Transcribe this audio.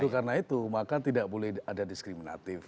karena itu maka tidak boleh ada diskriminatif